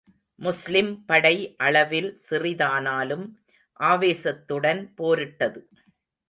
முஸ்லிம் படை அளவில் சிறிதானாலும், ஆவேசத்துடன் போரிட்டது.